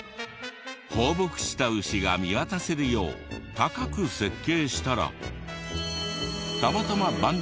放牧した牛が見渡せるよう高く設計したら。